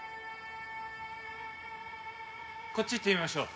こっち行ってみましょう。